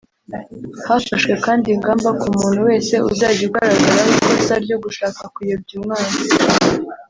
Hafashwe kandi igamba ku muntu wese uzajya ugaragaraho ikosa ryo gushaka kuyobya umwana